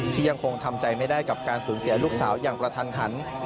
ที่ยังคงทำใจไม่ได้กับการสูญเสียลูกสาวอย่างกระทันหัน